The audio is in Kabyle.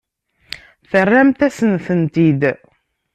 Terramt-asen-tent-id.